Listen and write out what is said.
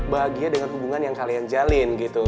bahagia dengan hubungan yang kalian jalin gitu